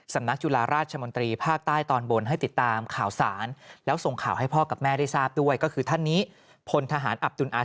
สำนักจุฬาราชมนตรีภาคใต้ตอนบนให้ติดตามข่าวสาร